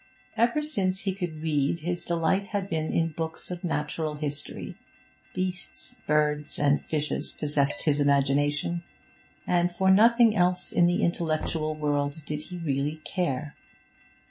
Ever since he could read his delight had been in books of natural history; beasts, birds, and fishes possessed his imagination, and for nothing else in the intellectual world did he really care.